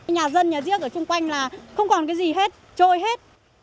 nhà dân nhà riêng ở xung quanh là không còn cái gì hết trôi hết